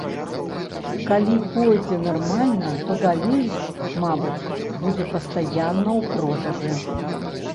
Калі пойдзе нармальна, то далей, мабыць, будзе пастаянна ў продажы.